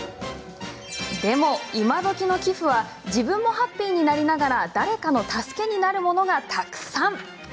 でも、今どきの寄付は自分もハッピーになりながら誰かの助けになるものがたくさん。